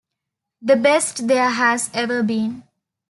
The best there has ever been.